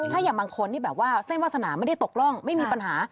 ถ้าอย่างบางคนที่แบบว่าเส้นวาสนาไม่ได้ตกร่องไม่มีปัญหา